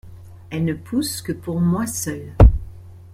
Elles ne poussent que pour moi seul.